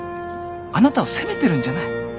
あなたを責めてるんじゃない。